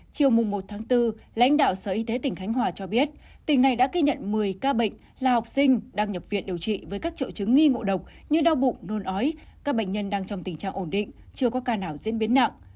chiều một bốn lãnh đạo sở y tế tỉnh khánh hòa cho biết tỉnh này đã ghi nhận một mươi ca bệnh là học sinh đang nhập viện điều trị với các triệu chứng nghi ngộ độc như đau bụng nôn ói các bệnh nhân đang trong tình trạng ổn định chưa có ca nào diễn biến nặng